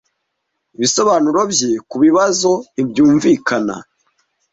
Ibisobanuro bye kubibazo ntibyumvikana.